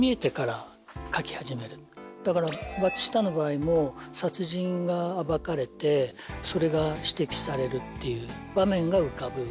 だから『バチスタ』の場合も殺人が暴かれてそれが指摘されるっていう場面が浮かぶ。